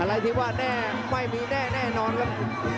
อะไรที่ว่าแน่ไม่มีแน่นอนครับ